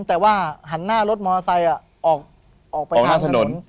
แต่ว่าหันหน้ารถมอเตอร์ไซค์ออกไปทางถนน